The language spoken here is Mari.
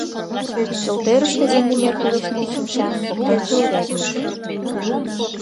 Ӱстелтӧрыштӧ землемер кугешнен шинча, воктенже урядник.